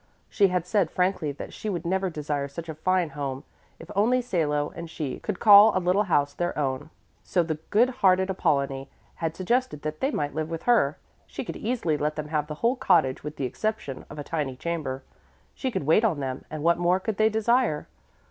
She had said frankly that she would never desire such a fine home, if only Salo and she could call a little house their own, so the good hearted Apollonie had suggested that they might live with her. She could easily let them have the whole cottage with the exception of a tiny chamber. She could wait on them, and what more could they desire?